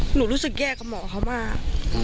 รู้สึกแย่กับหมอเขามาก